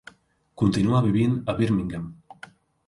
Continua vivint a Birmingham.